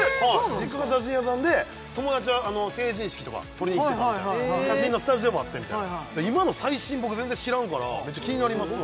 実家が写真屋さんで友達が成人式とか撮りに来てたみたいな写真のスタジオもあってみたいな今の最新僕全然知らんからめっちゃ気になりますわ